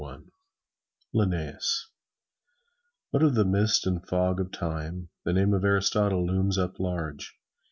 Linnæus LINNÆUS Out of the mist and fog of time, the name of Aristotle looms up large.